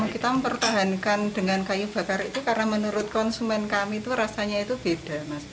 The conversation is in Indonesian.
kita mempertahankan dengan kayu bakar itu karena menurut konsumen kami itu rasanya itu beda mas